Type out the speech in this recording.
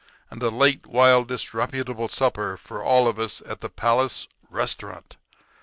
And a late, wild, disreputable supper for all of us at the Palace Restaurant.